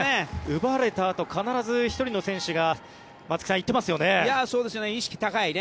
奪われたあとに必ず１人の選手が松木さん、行ってますよね。